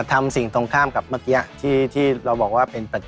ทำให้ร่างกายเราอ่อนแอ